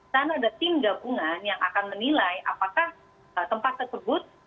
sana ada tim gabungan yang akan menilai apakah tempat tersebut sudah layak